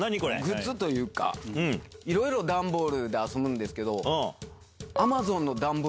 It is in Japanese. グッズというかいろいろ段ボールで遊ぶんですけど。